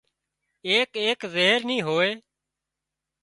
ايڪ ايڪ زهر نِي هوئي